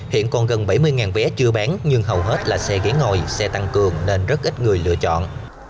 hiện còn gần bảy mươi vé chưa bán nhưng hầu hết là xe ghế ngồi xe tăng cường nên rất ít người lựa chọn